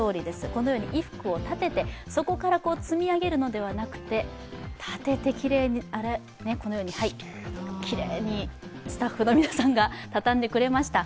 このように衣服を立てて、そこから積み上げるのではなくて立ててきれいに、スタッフの皆さんが畳んでくれました。